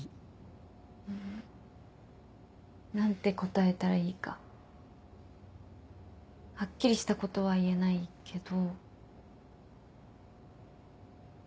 何て答えたらいいかはっきりしたことは言えないけど。